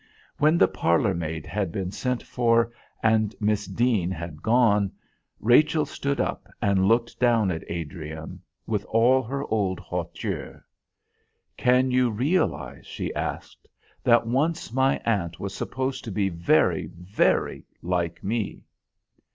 When the parlour maid had been sent for and Miss Deane had gone, Rachel stood up and looked down at Adrian with all her old hauteur. "Can you realise," she asked, "that once my aunt was supposed to be very, very like me?"